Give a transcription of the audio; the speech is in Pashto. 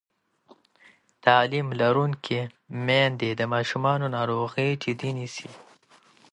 تعلیم لرونکې میندې د ماشومانو ناروغي جدي نیسي.